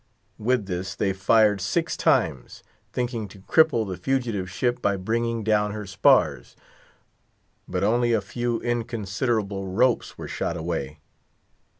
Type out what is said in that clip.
With this, they fired six times; thinking to cripple the fugitive ship by bringing down her spars. But only a few inconsiderable ropes were shot away.